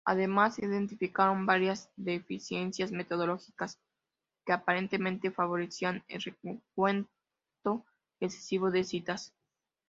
Además, identificaron varias deficiencias metodológicas que aparentemente favorecían el recuento excesivo de citas.